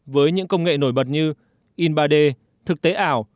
với những công nghệ nổi bật như in ba d thực tế ảo